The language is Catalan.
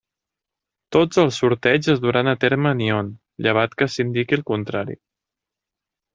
Tots els sorteigs es duran a terme a Nyon, llevat que s'indiqui el contrari.